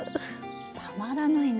たまらないな